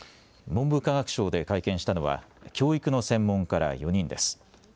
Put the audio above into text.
文部科学省で会見したのは教育の専門家ら４人です。